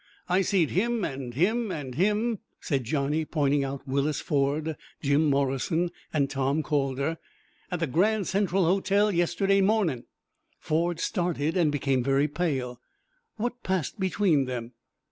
"I seed him, and him, and him," said Johnny, pointing out Willis Ford, Jim Morrison and Tom Calder, "at the Grand Central Hotel yesterday mornin'." Ford started and became very pale. "What passed between them?"